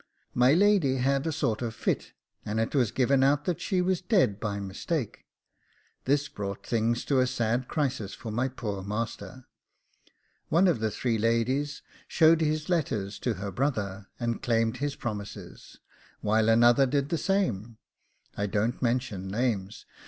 My lady had a sort of fit, and it was given out that she was dead, by mistake: this brought things to a sad crisis for my poor master. One of the three ladies showed his letters to her brother, and claimed his promises, whilst another did the same. I don't mention names.